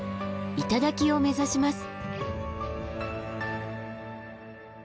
頂を目指します。